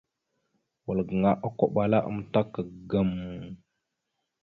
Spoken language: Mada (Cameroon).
Wal gaŋa okombaláamətak ŋgam a.